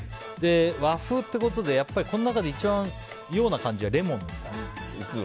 和風ってことでこの中で一番洋な感じはレモン。